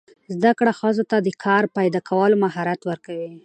زده کړه ښځو ته د کار پیدا کولو مهارت ورکوي.